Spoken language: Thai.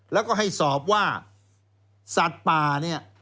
แล้วก็ให้สอบว่าสัตว์ป่าเนี่ย